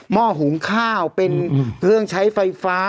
ห้อหุงข้าวเป็นเครื่องใช้ไฟฟ้า